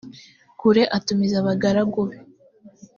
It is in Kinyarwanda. kure atumiza abagaragu be